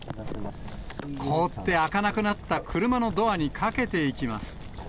凍って開かなくなった車のドアにかけていきます。